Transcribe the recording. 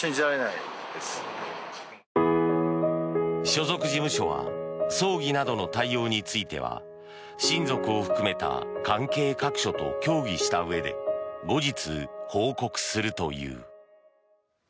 所属事務所は葬儀などの対応については親族を含めた関係各所と協議したうえで後日、報告するという。